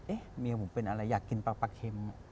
เมียผมเป็นอะไรอยากกินปลาเค็ม